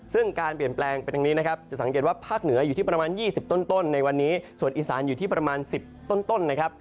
ซึ่งการเปลี่ยนแปลงเป็นอย่างนี้นะครับจะสังเกตว่าภาคเหนืออยู่ที่ประมาณ๒๐ต้นในวันนี้ส่วนอีสานอยู่ที่ประมาณ๑๐ต้นนะครับ